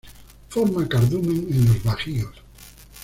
Forma cardumen en los bajíos.